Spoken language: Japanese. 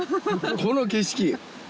この景色